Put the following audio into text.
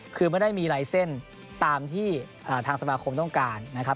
คือไม่ได้มีลายเส้นตามที่ทางสมาคมต้องการนะครับ